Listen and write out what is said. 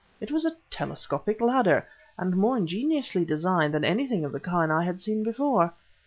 It was a telescopic ladder, and more ingeniously designed than anything of the kind I had seen before.